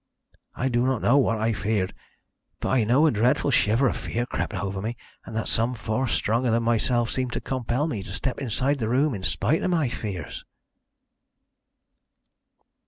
I do not know what I feared, but I know a dreadful shiver of fear crept over me, and that some force stronger than myself seemed to compel me to step inside the room in spite of my fears."